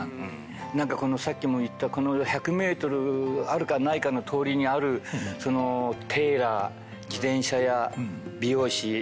何かさっきも言った１００ｍあるかないかの通りにあるテーラー自転車屋美容室八百屋